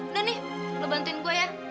udah nih lo bantuin gue ya